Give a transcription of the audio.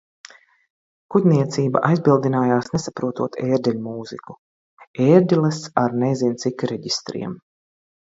Kuģniecība aizbildinājās nesaprotot ērģeļmūziku. Ērģeles ar nezin cik reģistriem.